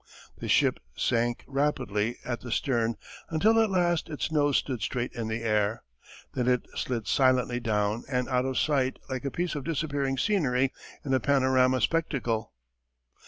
The ship sank rapidly at the stern until at last its nose stood straight in the air. Then it slid silently down and out of sight like a piece of disappearing scenery in a panorama spectacle.